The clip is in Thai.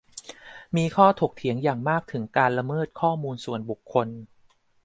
มีข้อถกเถียงอย่างมากถึงการละเมิดข้อมูลส่วนบุคคล